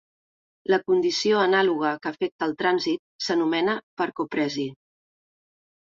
La condició anàloga que afecta el trànsit s'anomena parcopresi.